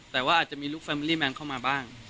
แต่ว่าอาจจะมีลูกแฟมิลี่แมนเข้ามาบ้าง